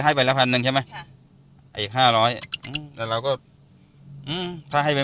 ให้ไปละพันหนึ่งใช่ไหมใช่ไอ้ห้าร้อยอืมแต่เราก็อืมถ้าให้ไป